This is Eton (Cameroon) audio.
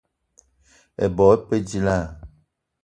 Ebok e pe dilaah?